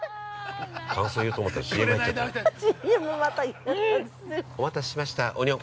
◆感想言おうと思ったらＣＭ入っちゃったよ。